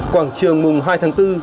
quảng trường mùng hai tháng bốn